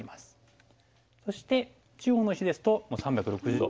そして中央の石ですと３６０度。